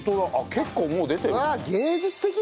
結構もう出てるね。